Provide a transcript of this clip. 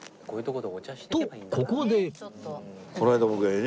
とここで